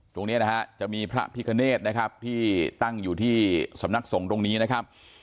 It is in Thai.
ตรงนี้นะฮะจะมีพระพิคเนธนะครับที่ตั้งอยู่ที่สำนักสงฆ์ตรงนี้นะครับ